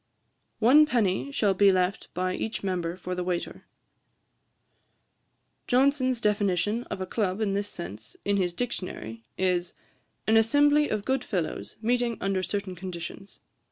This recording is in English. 'One penny shall be left by each member for the waiter.' Johnson's definition of a Club in this sense, in his Dictionary, is, 'An assembly of good fellows, meeting under certain conditions.'